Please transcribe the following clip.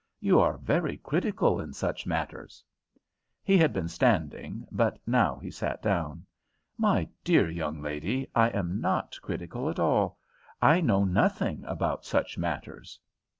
You are very critical in such matters?" He had been standing, but now he sat down. "My dear young lady, I am not critical at all. I know nothing about 'such matters.'"